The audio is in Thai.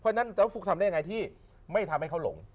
เพราะฉะนั้นแล้วฟุ๊กทำได้ยังไงที่ไม่ทำให้เขาหลง